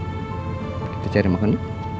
kita cari makan yuk